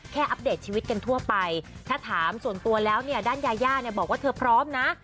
อัปเดตชีวิตกันทั่วไปถ้าถามส่วนตัวแล้วเนี่ยด้านยาย่าเนี่ยบอกว่าเธอพร้อมนะ